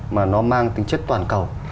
mà nó mang tính chất toàn cầu